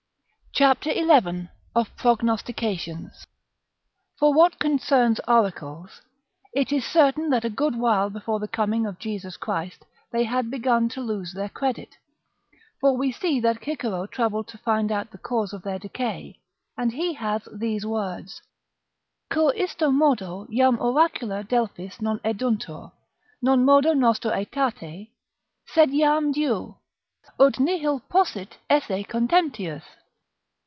CHAPTER XI OF PROGNOSTICATIONS For what concerns oracles, it is certain that a good while before the coming of Jesus Christ they had begun to lose their credit; for we see that Cicero troubled to find out the cause of their decay, and he has these words: "Cur isto modo jam oracula Delphis non eduntur, non modo nostro aetate, sed jam diu; ut nihil possit esse contemptius?"